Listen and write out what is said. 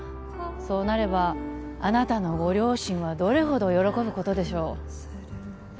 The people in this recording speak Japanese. そうなればあなたのご両親はどれほど喜ぶことでしょう